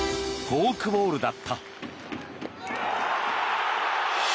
フォークボールだった。